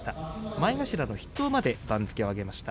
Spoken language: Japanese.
前頭の筆頭まで番付を上げました。